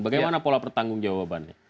bagaimana pola pertanggung jawabannya